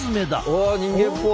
わ人間っぽい。